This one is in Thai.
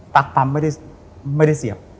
ปั๊มปั๊มไม่ได้เสียบ